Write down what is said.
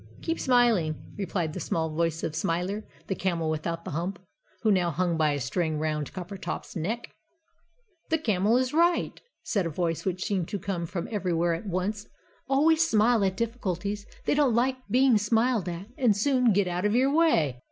"Keep smiling!" replied the small voice of Smiler the Camel without the Hump who now hung by a string round Coppertop's neck. [Illustration: The North Wind.] "The Camel is right!" said a voice which seemed to come from everywhere at once, "always smile at difficulties; they don't like being smiled at, and soon get out of your way.